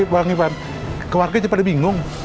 bang ipan keluarganya cepat dibingung